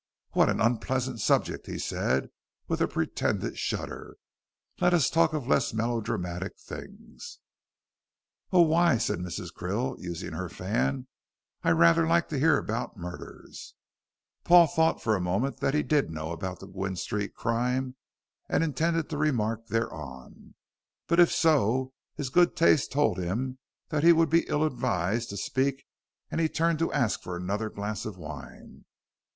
"What an unpleasant subject," he said, with a pretended shudder, "let us talk of less melodramatic things." "Oh, why," said Mrs. Krill, using her fan. "I rather like to hear about murders." Lord George looked oddly at her, and seemed about to speak. Paul thought for the moment that he did know about the Gwynne Street crime and intended to remark thereon. But if so his good taste told him that he would be ill advised to speak and he turned to ask for another glass of wine.